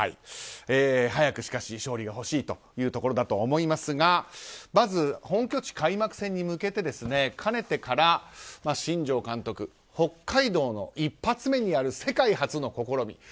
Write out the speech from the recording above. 早く、しかし勝利が欲しいというところだと思いますがまず、本拠地開幕戦に向けてかねてから新庄監督北海道の１発目にやる世界初の試み